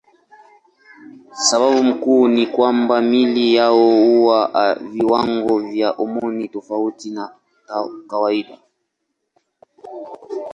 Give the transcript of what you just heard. Sababu kuu ni kwamba miili yao huwa na viwango vya homoni tofauti na kawaida.